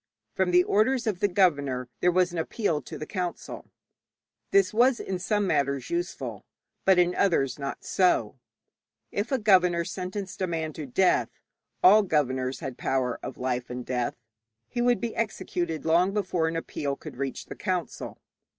From the orders of the governor there was an appeal to the council. This was in some matters useful, but in others not so. If a governor sentenced a man to death all governors had power of life and death he would be executed long before an appeal could reach the council.